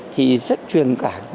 thì rất truyền cản